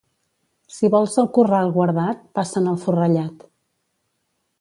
Si vols el corral guardat, passa'n el forrellat.